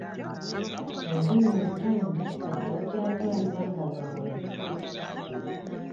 Olulimi Oluganda kati terukyatwalibwa nga lwa wansi.